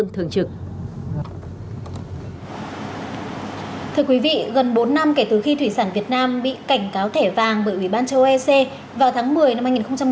thưa quý vị gần bốn năm kể từ khi thủy sản việt nam bị cảnh cáo thẻ vàng bởi ủy ban châu âu vào tháng một mươi năm hai nghìn một mươi ba